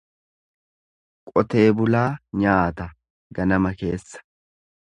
Qotee bulaa nyaata ganama keessa.